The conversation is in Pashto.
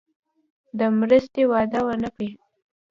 د مرستې وعده ونه کړي.